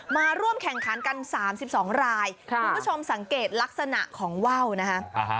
มาร่วมแข่งขันกัน๓๒รายคุณผู้ชมสังเกตลักษณะของว่าวนะฮะ